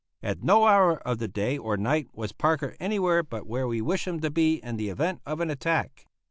At no hour of the day or night was Parker anywhere but where we wished him to be in the event of an attack.